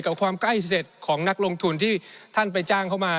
กับความใกล้เสร็จของนักลงทุนที่ท่านไปจ้างเข้ามา